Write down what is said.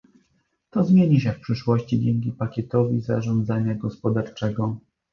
To zmieni się w przyszłości dzięki pakietowi zarządzania gospodarczego